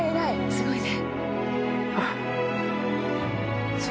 すごいね！